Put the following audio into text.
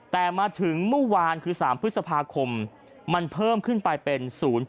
แต่มาถึงเมื่อวานคือ๓พฤษภาคมมันเพิ่มขึ้นไปเป็น๐๘